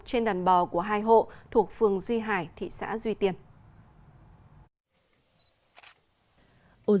trên đàn bò của hai hộ thuộc phường duy hải thị xã duy tiên